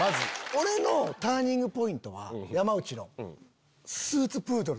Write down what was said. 俺のターニングポイントは山内の。